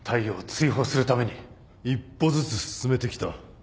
一歩ずつ進めてきた。